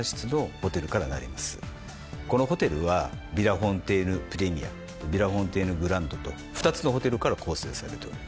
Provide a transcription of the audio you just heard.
このホテルは「ヴィラフォンテーヌプレミア」「ヴィラフォンテーヌグランド」と２つのホテルから構成されております。